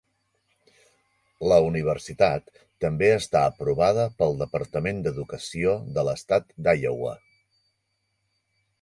La universitat també està aprovada pel Departament d'Educació de l'estat d'Iowa.